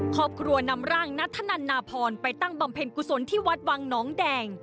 ครอบครัวนำร่างนัทธนันนาพรไปตั้งบำเพ็ญกุศลที่วัดวังน้องแดง